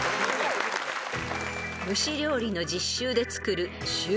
［蒸し料理の実習で作る］